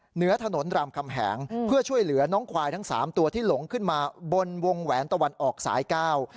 เหนือถนนรามคำแหงเพื่อช่วยเหลือน้องควายทั้งสามตัวที่หลงขึ้นมาบนวงแหวนตะวันออกสายเก้า